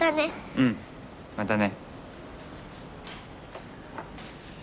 うんまたね。